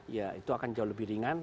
ya itu akan jauh lebih ringan